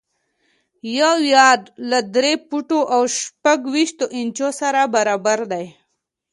یو یارډ له درې فوټو او شپږ ویشت انچو سره برابر دی.